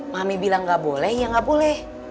mami bilang gak boleh ya gak boleh